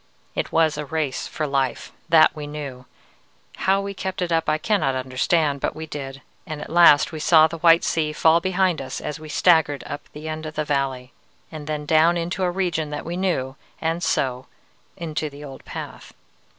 "It was a race for life; that we knew. How we kept it up I cannot understand, but we did, and at last we saw the white sea fall behind us as we staggered up the end of the valley, and then down into a region that we knew, and so into the old path.